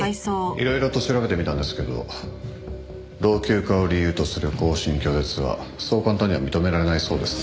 いろいろと調べてみたんですけど老朽化を理由とする更新拒絶はそう簡単には認められないそうですね。